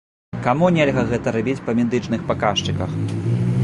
Каму нельга гэта рабіць па медычных паказчыках?